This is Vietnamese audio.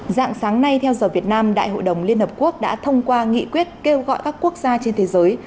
dạng sáng nay theo giờ việt nam đại hội đồng liên hợp quốc đã thông qua nghị quyết kêu gọi các quốc gia trên thế giới